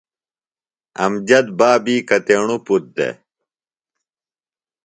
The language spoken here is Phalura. امجد بابی کتیݨوۡ پُتر دےۡ؟